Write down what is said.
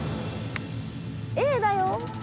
Ａだよ。